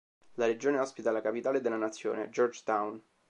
La regione ospita la capitale della nazione, Georgetown.